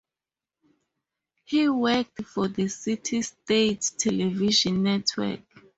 He worked for the city's State Television Network.